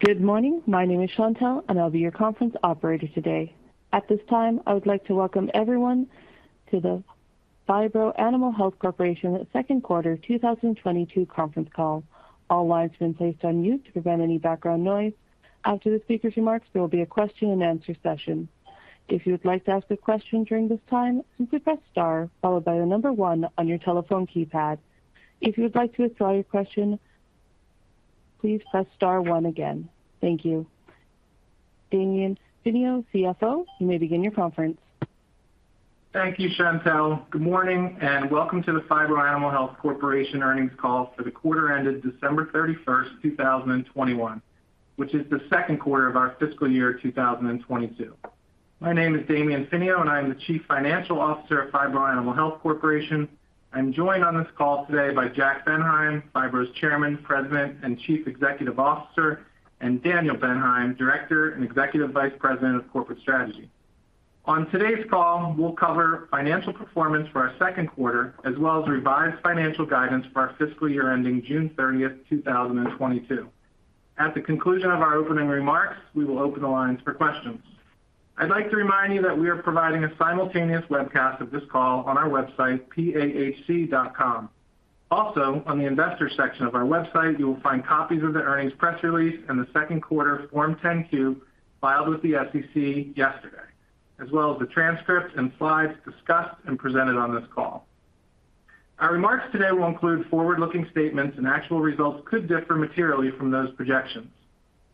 Good morning. My name is Chantelle, and I'll be your conference operator today. At this time, I would like to welcome everyone to the Phibro Animal Health Corporation Q2 2022 conference call. All lines have been placed on mute to prevent any background noise. After the speaker's remarks, there will be a question-and-answer session. If you would like to ask a question during this time, simply press star followed by the number one on your telephone keypad. If you would like to withdraw your question, please press star one again. Thank you. Damian Finio, CFO, you may begin your conference. Thank you, Chantelle. Good morning, and welcome to the Phibro Animal Health Corporation earnings call for the quarter ended December 31, 2021, which is the Q2 of our fiscal year 2022. My name is Damian Finio, and I am the Chief Financial Officer of Phibro Animal Health Corporation. I'm joined on this call today by Jack Bendheim, Phibro's Chairman, President, and Chief Executive Officer, and Daniel Bendheim, Director and Executive Vice President of Corporate Strategy. On today's call, we'll cover financial performance for our Q2 as well as revised financial guidance for our fiscal year ending June 30, 2022. At the conclusion of our opening remarks, we will open the lines for questions. I'd like to remind you that we are providing a simultaneous webcast of this call on our website pahc.com. Also, on the investor section of our website, you will find copies of the earnings press release and the Q2 Form 10-Q filed with the SEC yesterday, as well as the transcripts and slides discussed and presented on this call. Our remarks today will include forward-looking statements, and actual results could differ materially from those projections.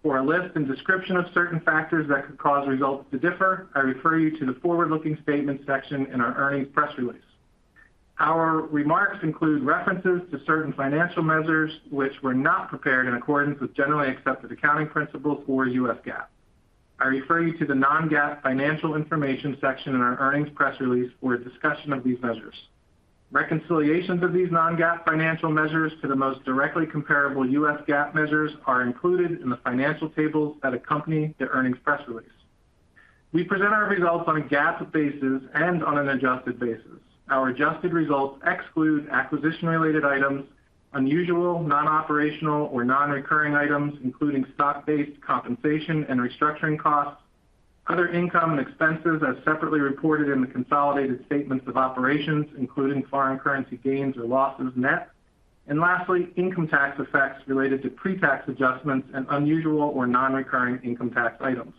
For a list and description of certain factors that could cause results to differ, I refer you to the forward-looking statements section in our earnings press release. Our remarks include references to certain financial measures which were not prepared in accordance with generally accepted accounting principles or U.S. GAAP. I refer you to the non-GAAP financial information section in our earnings press release for a discussion of these measures. Reconciliations of these non-GAAP financial measures to the most directly comparable US GAAP measures are included in the financial tables that accompany the earnings press release. We present our results on a GAAP basis and on an adjusted basis. Our adjusted results exclude acquisition-related items, unusual, non-operational, or non-recurring items, including stock-based compensation and restructuring costs, other income and expenses as separately reported in the consolidated statements of operations, including foreign currency gains or losses net, and lastly, income tax effects related to pre-tax adjustments and unusual or non-recurring income tax items.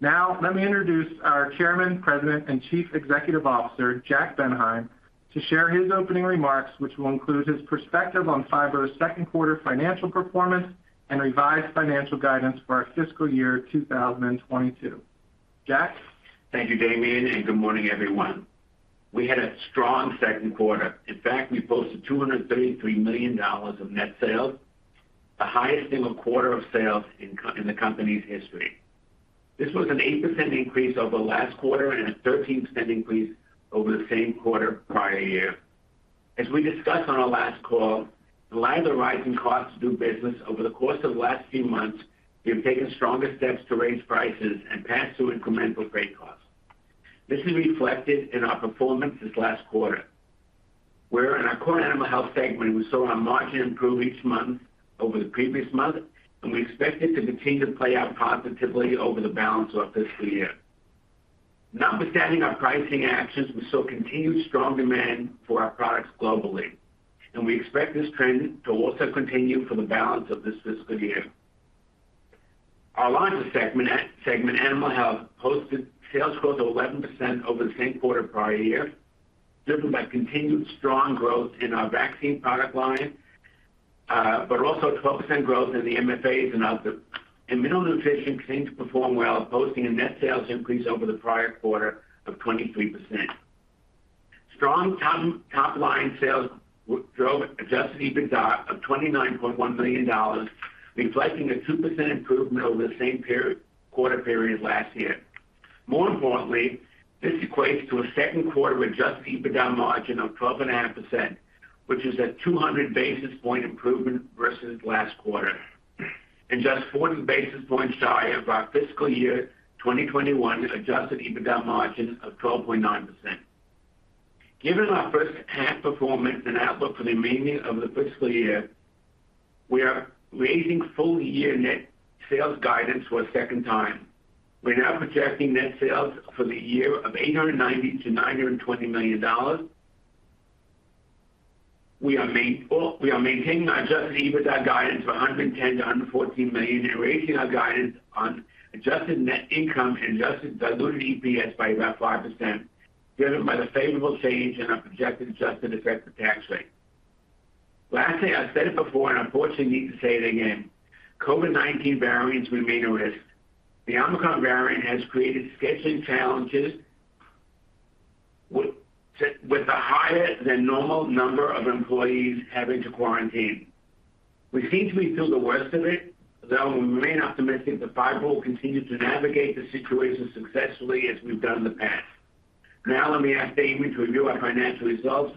Now, let me introduce our Chairman, President, and Chief Executive Officer, Jack Bendheim, to share his opening remarks, which will include his perspective on Phibro's Q2 financial performance and revised financial guidance for our fiscal year 2022. Jack? Thank you, Damian, and good morning, everyone. We had a strong second quarter. In fact, we posted $233 million of net sales, the highest single quarter of sales in the company's history. This was an 8% increase over last quarter and a 13% increase over the same quarter prior year. As we discussed on our last call, in light of the rising cost to do business over the course of the last few months, we have taken stronger steps to raise prices and pass through incremental freight costs. This is reflected in our performance this last quarter, where in our core Animal Health segment, we saw our margin improve each month over the previous month, and we expect it to continue to play out positively over the balance of our fiscal year. Notwithstanding our pricing actions, we saw continued strong demand for our products globally, and we expect this trend to also continue for the balance of this fiscal year. Our largest segment, Animal Health, posted sales growth of 11% over the same quarter prior year, driven by continued strong growth in our vaccine product line, but also 12% growth in the MFAs and other. Mineral Nutrition continued to perform well, posting a net sales increase over the prior quarter of 23%. Strong top-line sales drove adjusted EBITDA of $29.1 million, reflecting a 2% improvement over the same quarter last year. More importantly, this equates to a Q2 adjusted EBITDA margin of 12.5%, which is a 200 basis point improvement versus last quarter and just 40 basis points shy of our fiscal year 2021 adjusted EBITDA margin of 12.9%. Given our first half performance and outlook for the remaining of the fiscal year, we are raising full-year net sales guidance for a second time. We're now projecting net sales for the year of $890 million-$920 million. We are maintaining our adjusted EBITDA guidance of $110 million-$114 million and raising our guidance on adjusted net income and adjusted diluted EPS by about 5% driven by the favorable change in our projected adjusted effective tax rate. Lastly, I've said it before, and unfortunately need to say it again. COVID-19 variants remain a risk. The Omicron variant has created scheduling challenges with a higher than normal number of employees having to quarantine. We seem to be through the worst of it, though we remain optimistic that Phibro will continue to navigate the situation successfully as we've done in the past. Now, let me ask Damian to review our financial results,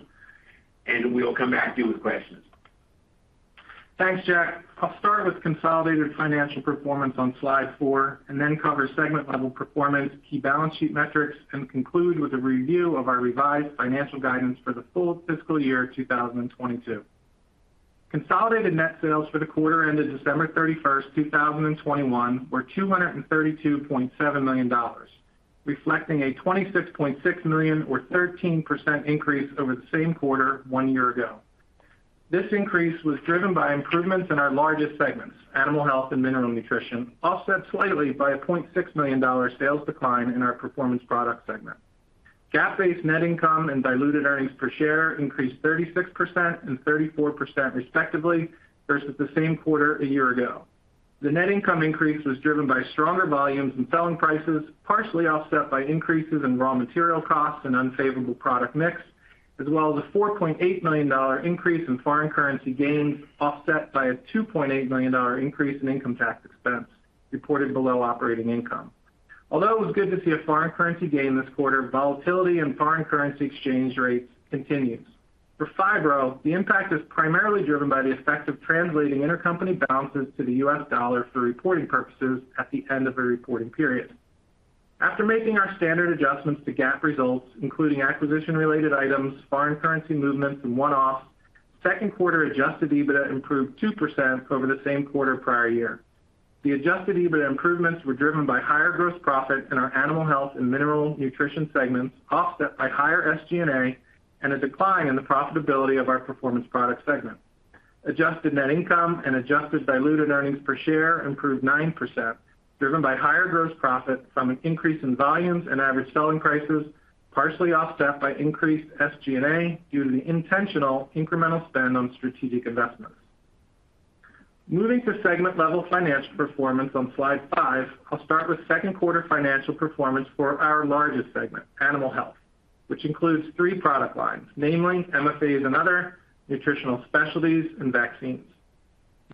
and we'll come back to you with questions. Thanks, Jack. I'll start with consolidated financial performance on slide four and then cover segment-level performance, key balance sheet metrics, and conclude with a review of our revised financial guidance for the full fiscal year 2022. Consolidated net sales for the quarter ended December 31, 2021, were $232.7 million, reflecting a $26.6 million or 13% increase over the same quarter one year ago. This increase was driven by improvements in our largest segments, Animal Health and Mineral Nutrition, offset slightly by a $0.6 million sales decline in our Performance Products segment. GAAP-based net income and diluted earnings per share increased 36% and 34% respectively versus the same quarter a year ago. The net income increase was driven by stronger volumes and selling prices, partially offset by increases in raw material costs and unfavorable product mix, as well as a $4.8 million increase in foreign currency gains, offset by a $2.8 million increase in income tax expense reported below operating income. Although it was good to see a foreign currency gain this quarter, volatility in foreign currency exchange rates continues. For Phibro, the impact is primarily driven by the effect of translating intercompany balances to the U.S. dollar for reporting purposes at the end of a reporting period. After making our standard adjustments to GAAP results, including acquisition-related items, foreign currency movements, and one-offs, Q2 adjusted EBITDA improved 2% over the same quarter prior year. The adjusted EBITDA improvements were driven by higher gross profits in our Animal Health and Mineral Nutrition segments, offset by higher SG&A and a decline in the profitability of our Performance Products segment. Adjusted net income and adjusted diluted earnings per share improved 9%, driven by higher gross profit from an increase in volumes and average selling prices, partially offset by increased SG&A due to the intentional incremental spend on strategic investments. Moving to segment-level financial performance on slide five, I'll start with Q2 financial performance for our largest segment, Animal Health, which includes three product lines, namely MFAs and other, nutritional specialties, and vaccines.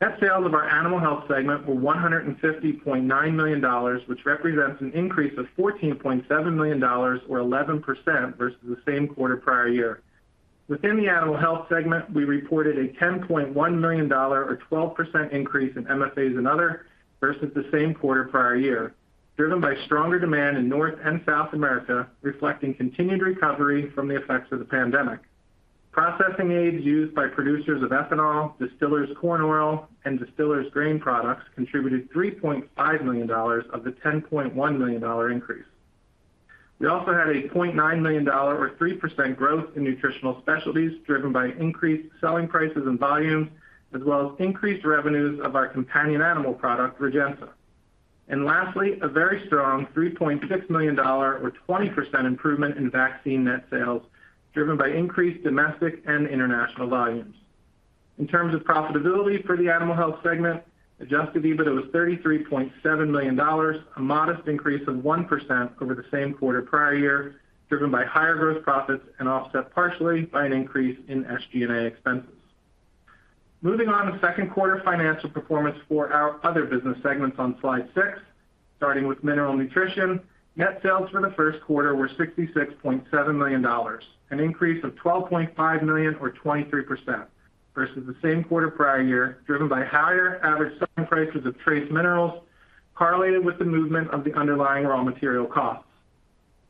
Net sales of our Animal Health segment were $150.9 million, which represents an increase of $14.7 million or 11% versus the same quarter prior year. Within the Animal Health segment, we reported a $10.1 million or 12% increase in MFAs and other versus the same quarter prior year, driven by stronger demand in North and South America, reflecting continued recovery from the effects of the pandemic. Processing aids used by producers of ethanol, distillers' corn oil, and distillers' grain products contributed $3.5 million of the $10.1 million increase. We also had a $0.9 million or 3% growth in nutritional specialties driven by increased selling prices and volumes, as well as increased revenues of our companion animal product, Rejensa. Lastly, a very strong $3.6 million or 20% improvement in vaccine net sales, driven by increased domestic and international volumes. In terms of profitability for the Animal Health segment, adjusted EBITDA was $33.7 million, a modest increase of 1% over the same quarter prior year, driven by higher gross profits and offset partially by an increase in SG&A expenses. Moving on to second quarter financial performance for our other business segments on slide six, starting with Mineral Nutrition. Net sales for Q2 were $66.7 million, an increase of $12.5 million or 23% versus the same quarter prior year, driven by higher average selling prices of trace minerals correlated with the movement of the underlying raw material costs.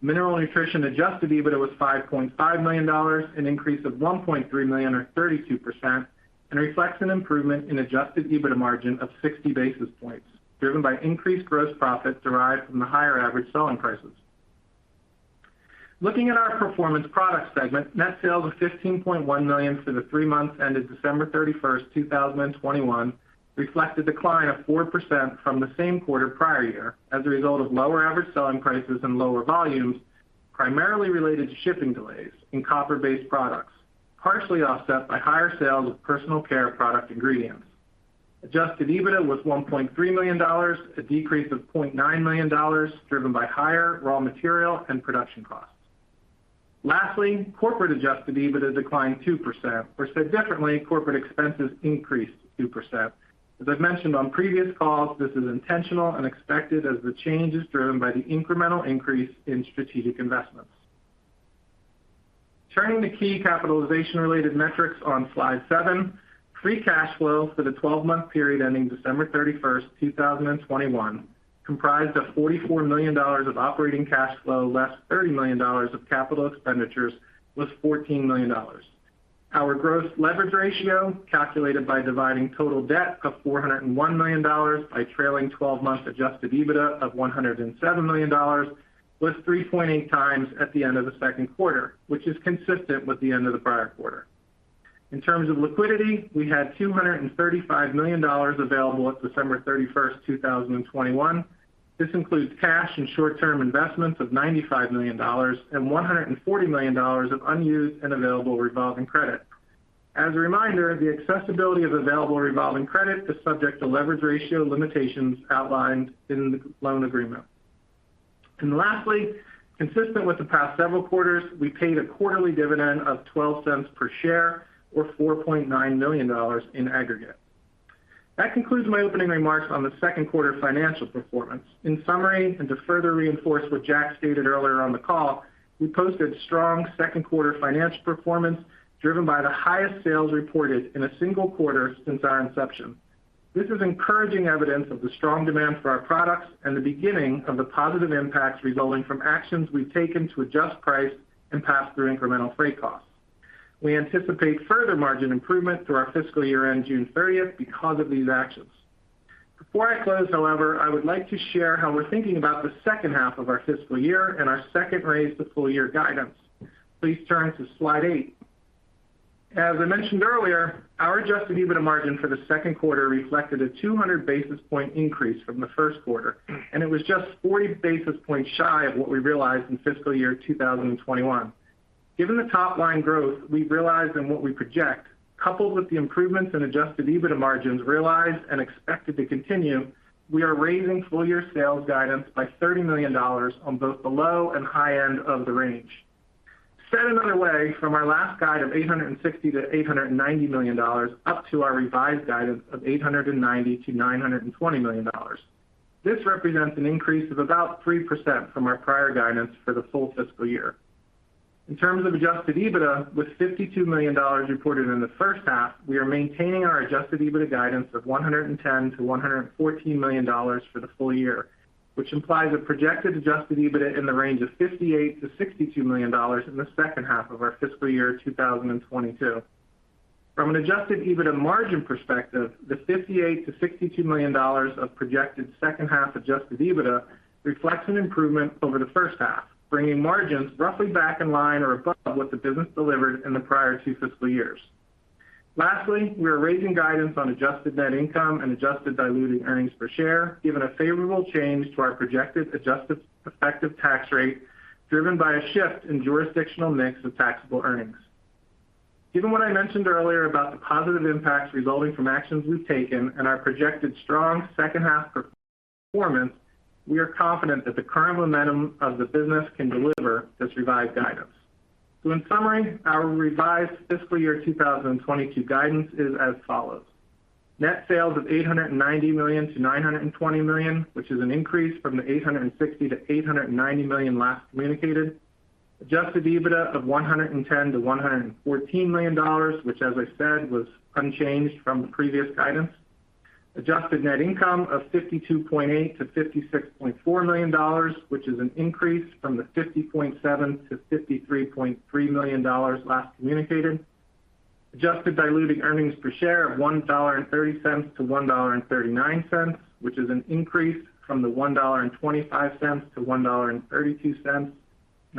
Mineral Nutrition adjusted EBITDA was $5.5 million, an increase of $1.3 million or 32%, and reflects an improvement in adjusted EBITDA margin of 60 basis points, driven by increased gross profits derived from the higher average selling prices. Looking at our Performance Products segment, net sales of $15.1 million for the three months ended December 31, 2021, reflect a decline of 4% from the same quarter prior year as a result of lower average selling prices and lower volumes, primarily related to shipping delays in copper-based products, partially offset by higher sales of personal care product ingredients. Adjusted EBITDA was $1.3 million, a decrease of $0.9 million, driven by higher raw material and production costs. Lastly, corporate adjusted EBITDA declined 2%, or said differently, corporate expenses increased 2%. As I've mentioned on previous calls, this is intentional and expected as the change is driven by the incremental increase in strategic investments. Turning to key capitalization-related metrics on slide 7, free cash flow for the twelve-month period ending December 31, 2021, comprised of $44 million of operating cash flow, less $30 million of capital expenditures, was $14 million. Our growth leverage ratio, calculated by dividing total debt of $401 million by trailing twelve-month adjusted EBITDA of $107 million, was 3.8x at the end of Q2, which is consistent with the end of the prior quarter. In terms of liquidity, we had $235 million available at December 31, 2021. This includes cash and short-term investments of $95 million and $140 million of unused and available revolving credit. As a reminder, the accessibility of available revolving credit is subject to leverage ratio limitations outlined in the loan agreement. Lastly, consistent with the past several quarters, we paid a quarterly dividend of $0.12 per share or $4.9 million in aggregate. That concludes my opening remarks on Q2 financial performance. In summary, and to further reinforce what Jack stated earlier on the call, we posted strong Q2 financial performance driven by the highest sales reported in a single quarter since our inception. This is encouraging evidence of the strong demand for our products and the beginning of the positive impacts resulting from actions we've taken to adjust price and pass through incremental freight costs. We anticipate further margin improvement through our fiscal year-end, June 30, because of these actions. Before I close, however, I would like to share how we're thinking about H2 of our fiscal year and our second raise to full year guidance. Please turn to slide 8. As I mentioned earlier, our adjusted EBITDA margin for Q2 reflected a 200 basis points increase from Q1, and it was just 40 basis points shy of what we realized in fiscal year 2021. Given the top line growth we realized and what we project, coupled with the improvements in adjusted EBITDA margins realized and expected to continue, we are raising full year sales guidance by $30 million on both the low and high end of the range. Said another way, from our last guide of $860 million-$890 million, up to our revised guidance of $890 million-$920 million. This represents an increase of about 3% from our prior guidance for the full fiscal year. In terms of adjusted EBITDA, with $52 million reported in H1, we are maintaining our adjusted EBITDA guidance of $110 million-$114 million for the full year, which implies a projected adjusted EBITDA in the range of $58 million-$62 million in H2 of our fiscal year 2022. From an adjusted EBITDA margin perspective, the $58 million-$62 million of projected second half adjusted EBITDA reflects an improvement over H1, bringing margins roughly back in line or above what the business delivered in the prior two fiscal years. Lastly, we are raising guidance on adjusted net income and adjusted diluted earnings per share, given a favorable change to our projected adjusted effective tax rate, driven by a shift in jurisdictional mix of taxable earnings. Given what I mentioned earlier about the positive impacts resulting from actions we've taken and our projected strong second half performance, we are confident that the current momentum of the business can deliver this revised guidance. In summary, our revised fiscal year 2022 guidance is as follows. Net sales of $890 million-$920 million, which is an increase from the $860 million-$890 million last communicated. Adjusted EBITDA of $110 million-$114 million, which as I said, was unchanged from the previous guidance. Adjusted net income of $52.8 million-$56.4 million, which is an increase from the $50.7 million-$53.3 million last communicated. Adjusted diluted earnings per share of $1.30-$1.39, which is an increase from the $1.25-$1.32 in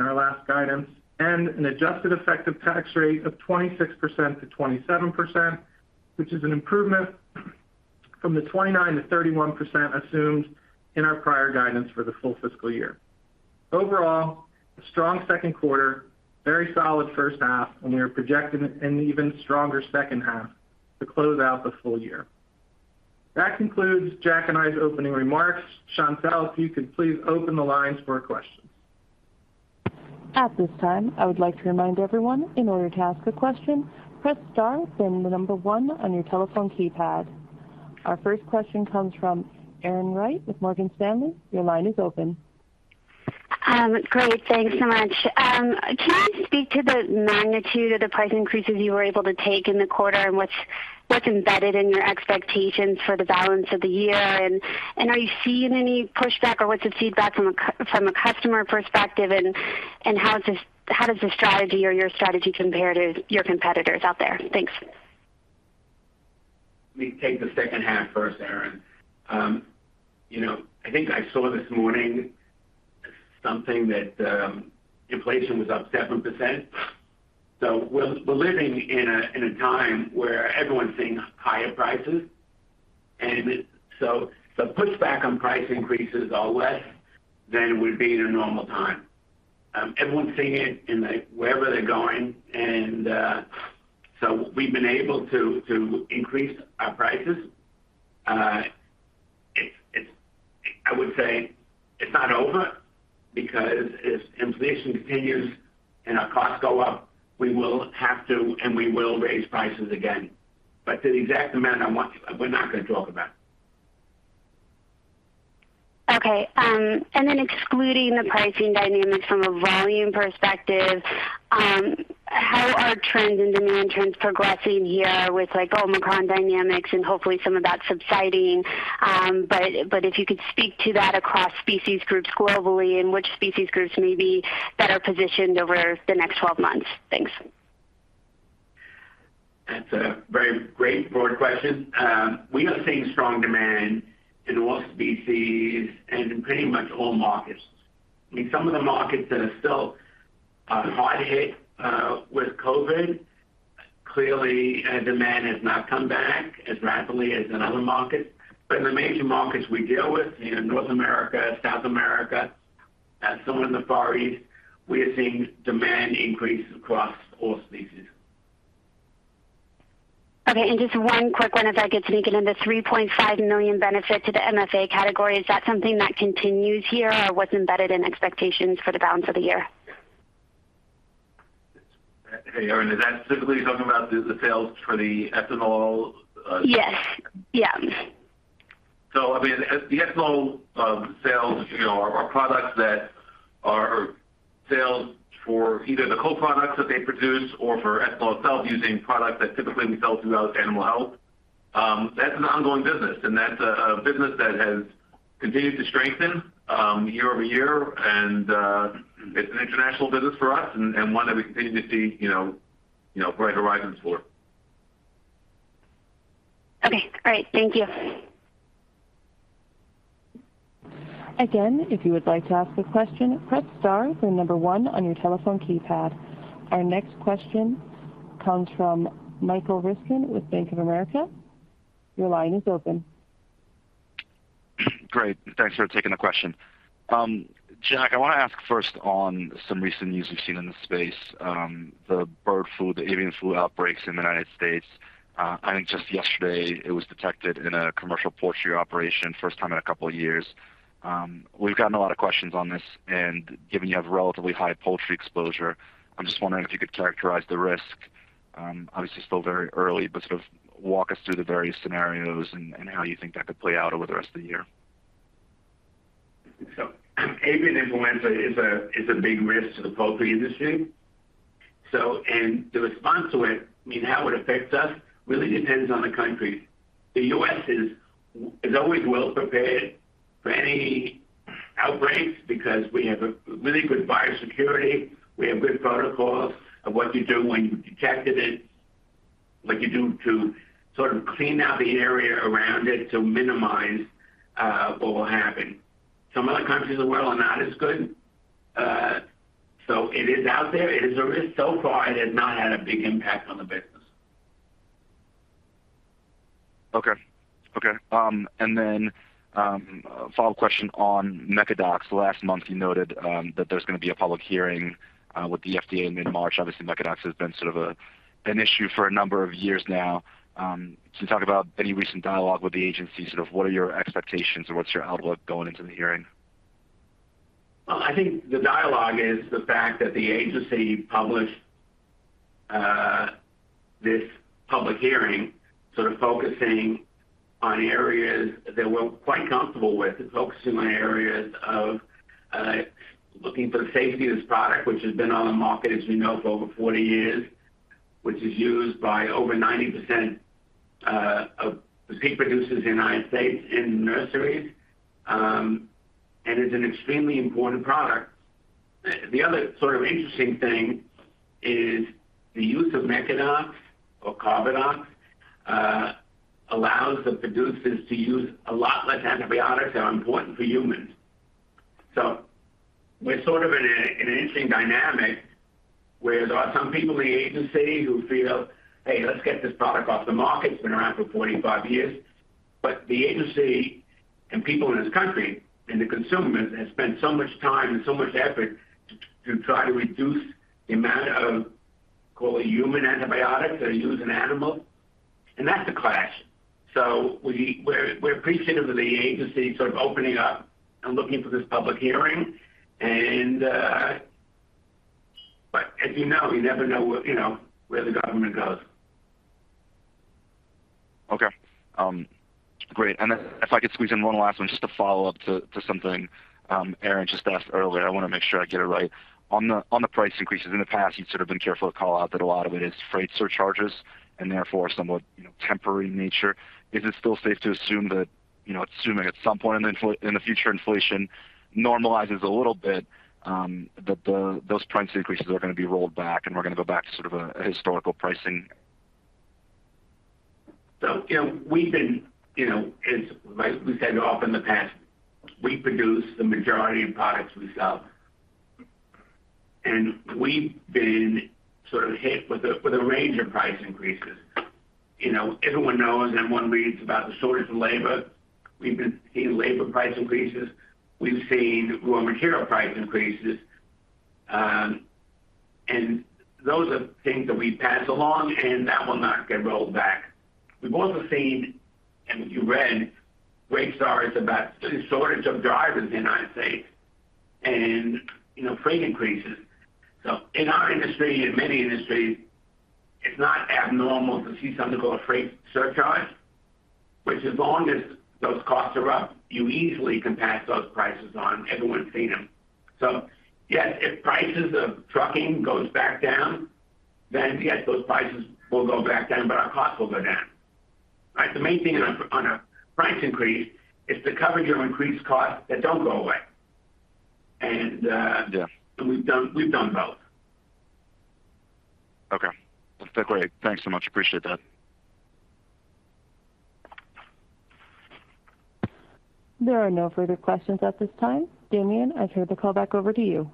our last guidance. An adjusted effective tax rate of 26%-27%, which is an improvement from the 29%-31% assumed in our prior guidance for the full fiscal year. Overall, strong Q2, very solid H1 and we are projecting an even stronger second half to close out the full year. That concludes Jack and I's opening remarks. Chantelle, if you could please open the lines for questions. At this time, I would like to remind everyone, in order to ask a question, press star, then the number one on your telephone keypad. Our first question comes from Erin Wright with Morgan Stanley. Your line is open. Great. Thanks so much. Can you speak to the magnitude of the price increases you were able to take in the quarter and what's embedded in your expectations for the balance of the year? Are you seeing any pushback or what's the feedback from a customer perspective? How does your strategy compare to your competitors out there? Thanks. Let me take H2 first, Erin. You know, I think I saw this morning something that inflation was up 7%. We're living in a time where everyone's seeing higher prices. The pushback on price increases are less than it would be in a normal time. Everyone's seeing it like wherever they're going. We've been able to increase our prices. It's not over because if inflation continues and our costs go up, we will have to, and we will raise prices again. To the exact amount, we're not gonna talk about. Okay. Excluding the pricing dynamics from a volume perspective, how are trends and demand trends progressing here with like Omicron dynamics and hopefully some of that subsiding? If you could speak to that across species groups globally and which species groups may be better positioned over the next twelve months. Thanks. That's a very great broad question. We are seeing strong demand in all species and in pretty much all markets. I mean, some of the markets that are still hard hit with COVID, clearly demand has not come back as rapidly as in other markets. In the major markets we deal with, you know, North America, South America, some in the Far East, we are seeing demand increase across all species. Okay. Just one quick one, if I could sneak it in. The $3.5 million benefit to the MFA category, is that something that continues here or was embedded in expectations for the balance of the year? Hey, Erin, is that specifically talking about the sales for the Ethanol? Yes. Yeah. I mean, the Ethanol sales, you know, are sales for either the co-products that they produce or for Ethanol itself using products that typically we sell throughout Animal Health. That's an ongoing business, and that's a business that has continued to strengthen year-over-year, and it's an international business for us and one that we continue to see, you know, bright horizons for. Okay, great. Thank you. Again, if you would like to ask a question, press star or number one on your telephone keypad. Our next question comes from Michael Ryskin with Bank of America. Your line is open. Great. Thanks for taking the question. Jack, I want to ask first on some recent news we've seen in the space, the bird flu, the avian flu outbreaks in the United States. I think just yesterday it was detected in a commercial poultry operation, first time in a couple of years. We've gotten a lot of questions on this, and given you have relatively high poultry exposure, I'm just wondering if you could characterize the risk. Obviously still very early, but sort of walk us through the various scenarios and how you think that could play out over the rest of the year. Avian influenza is a big risk to the poultry industry. The response to it, I mean, how it affects us really depends on the country. The U.S. is always well prepared for any outbreaks because we have a really good biosecurity. We have good protocols of what you do when you've detected it, what you do to sort of clean out the area around it to minimize what will happen. Some other countries of the world are not as good. It is out there. It is a risk. So far, it has not had a big impact on the business. Okay, a follow-up question on Mecadox. Last month, you noted that there's going to be a public hearing with the FDA in mid-March. Obviously, Mecadox has been sort of an issue for a number of years now. Can you talk about any recent dialogue with the agency? Sort of, what are your expectations or what's your outlook going into the hearing? Well, I think the dialogue is the fact that the agency published this public hearing, sort of focusing on areas that we're quite comfortable with. It's focusing on areas of looking for the safety of this product, which has been on the market, as we know, for over 40 years, which is used by over 90% of the pig producers in the United States in nurseries, and is an extremely important product. The other sort of interesting thing is the use of Mecadox or carbadox allows the producers to use a lot less antibiotics that are important for humans. We're sort of in a, an interesting dynamic where there are some people in the agency who feel, Hey, let's get this product off the market. It's been around for 45 years. The agency and people in this country and the consumer has spent so much time and so much effort to try to reduce the amount of, call it human antibiotics that are used in animals, and that's a clash. We're appreciative of the agency sort of opening up and looking for this public hearing and. As you know, you never know you know, where the government goes. Okay. Great. Then if I could squeeze in one last one, just a follow-up to something Erin just asked earlier. I want to make sure I get it right. On the price increases, in the past, you've sort of been careful to call out that a lot of it is freight surcharges and therefore somewhat, you know, temporary in nature. Is it still safe to assume that, you know, assuming at some point in the future inflation normalizes a little bit, that those price increases are going to be rolled back and we're going to go back to sort of a historical pricing? You know, we've been, you know, as we said often in the past, we produce the majority of products we sell. We've been sort of hit with a range of price increases. You know, everyone knows and one reads about the shortage of labor. We've been seeing labor price increases. We've seen raw material price increases. Those are things that we pass along, and that will not get rolled back. We've also seen, and you read great stories about the shortage of drivers in the United States and, you know, freight increases. In our industry and many industries, it's not abnormal to see something called a freight surcharge, which as long as those costs are up, you easily can pass those prices on. Everyone's seen them. Yes, if prices of trucking goes back down, then yes, those prices will go back down, but our costs will go down, right? The main thing on a price increase, it's the coverage of increased costs that don't go away. Yeah. We've done both. Okay. That's great. Thanks so much. Appreciate that. There are no further questions at this time. Damian, I turn the call back over to you.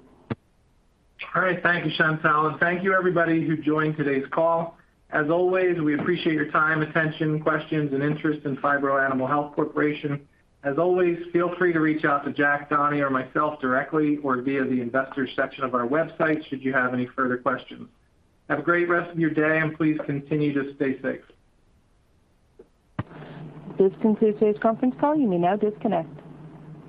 All right. Thank you, Chantelle. Thank you everybody who joined today's call. As always, we appreciate your time, attention, questions, and interest in Phibro Animal Health Corporation. As always, feel free to reach out to Jack, Donny, or myself directly or via the investor section of our website should you have any further questions. Have a great rest of your day, and please continue to stay safe. This concludes today's conference call. You may now disconnect.